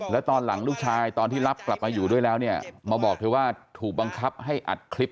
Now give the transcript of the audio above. แล้วตอนหลังลูกชายตอนที่รับกลับมาอยู่ด้วยแล้วเนี่ยมาบอกเธอว่าถูกบังคับให้อัดคลิป